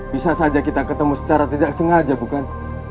bisa saja kita ketemu secara tidak sengaja bukan